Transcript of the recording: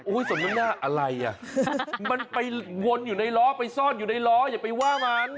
สมน้ำหน้าอะไรอ่ะมันไปวนอยู่ในล้อไปซ่อนอยู่ในล้ออย่าไปว่ามัน